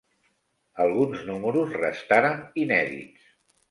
Alguns números restaren inèdits.